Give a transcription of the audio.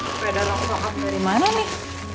sepeda rosak aku dari mana nih